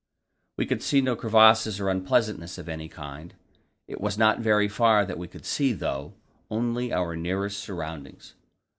We could see no crevasses or unpleasantness of any kind. It was not very far that we could see, though; only our nearest surroundings.